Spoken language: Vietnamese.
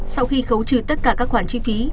sau khi khấu trừ tất cả các khoản chi phí